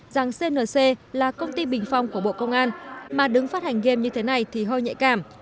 rằng cnc là công ty bình phong của bộ công an mà đứng phát hành game như thế này thì hơi nhạy cảm